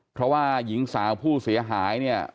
เพราะว่าหญิงสาวผู้เสียหายเนี่ย